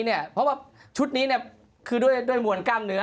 เพราะว่าชุดนี้คือด้วยมวลกล้ามเนื้อ